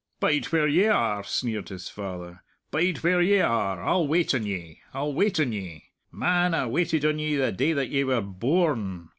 "Bide where ye are!" sneered his father, "bide where ye are! I'll wait on ye; I'll wait on ye. Man, I waited on ye the day that ye were bo orn!